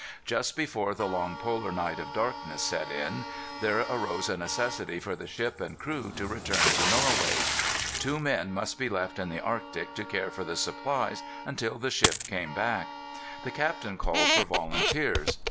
Just before the long polar night of darkness set in there arose a necessity for the ship and crew to return to Norway. Two men must be left in the Arctic to care for the supplies until the ship came back. The captain called for volunteers.